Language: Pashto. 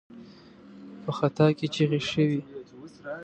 په خط کې چيغې شوې.